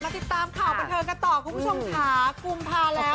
มาติดตามข่าวประเทศกระต่อคุณผู้ชมท้ากุมพาแล้ว